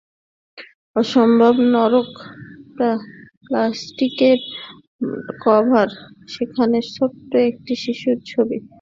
অসম্ভব নরম প্লাষ্টিকের কভার, যেখানে ছোট্ট একটি শিশুর ছবি।